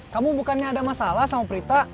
kamu bukannya ada masalah sama prita